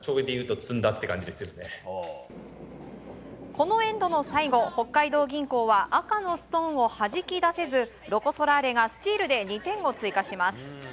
このエンドの最後北海道銀行は赤のストーンをはじき出せずロコ・ソラーレがスチールで２点を追加します。